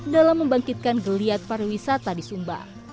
dalam membangkitkan geliat para wisata di sumba